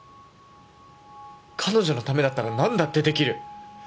彼女のためだったら何だってできる。